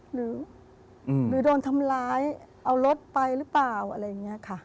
หรือโดนทำร้ายเอารถไปหรือเปล่าอะไรอย่างนี้ค่ะ